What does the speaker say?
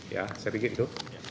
ya saya pikir itu